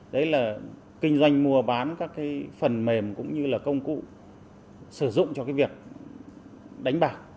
đấy là kinh doanh mua bán các cái phần mềm cũng như là công cụ sử dụng cho cái việc đánh bạc